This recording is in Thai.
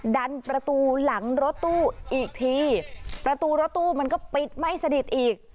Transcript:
ดันประตูหลังรถตู้อีกทีประตูรถตู้มันก็ปิดไม่สนิทอีก